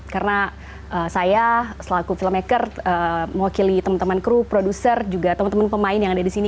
karena saya selaku filmmaker mewakili teman teman kru produser juga teman teman pemain yang ada di sini